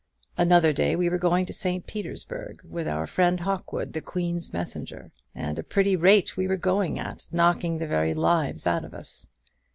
Another day we were going to St. Petersburg, with our friend Hawkwood, the Queen's messenger; and a pretty rate we were going at, knocking the very lives out of us.